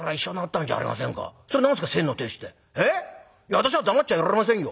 私は黙っちゃいられませんよ。